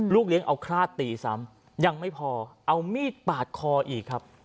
เลี้ยงเอาคราดตีซ้ำยังไม่พอเอามีดปาดคออีกครับ